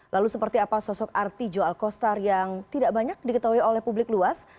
lalu seperti apa sosok artijo alkostar yang tidak banyak diketahui oleh publik luas